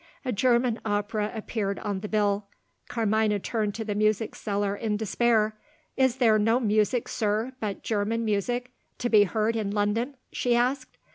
A German opera appeared on the bill. Carmina turned to the music seller in despair. "Is there no music, sir, but German music to be heard in London?" she asked.